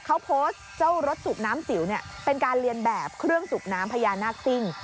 เขาโพสต์เจ้ารถสูบน้ำจิ๋วเนี่ยเป็นการเรียนแบบเครื่องสูบน้ำพญานาคซิ่ง